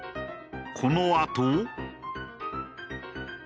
このあと。